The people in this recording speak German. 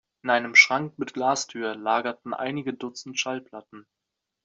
In einem Schrank mit Glastür lagerten einige dutzend Schallplatten.